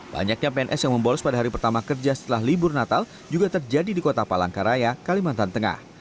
banyaknya pns yang membolos pada hari pertama kerja setelah libur natal juga terjadi di kota palangkaraya kalimantan tengah